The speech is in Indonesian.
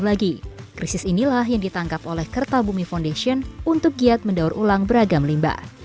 lagi krisis inilah yang ditangkap oleh kertabumi foundation untuk giat mendaur ulang beragam limbah